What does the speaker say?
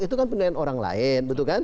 itu kan penilaian orang lain